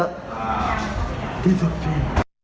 อ่าที่สุดที่